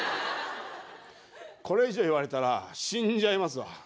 これ以上言われたら死んじゃいますわ。